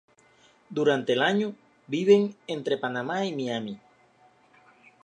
Durante el año, viven entre Panamá y Miami.